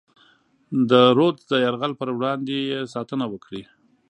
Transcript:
د رودز د یرغل پر وړاندې یې ساتنه وکړي.